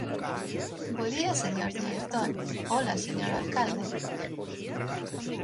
Bo día, señor director; ola, señor alcalde…